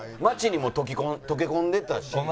街にも溶け込んでたし。